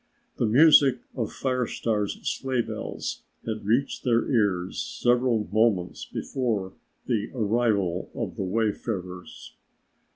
The music of Fire Star's sleigh bells had reached their ears several moments before the arrival of the wayfarers.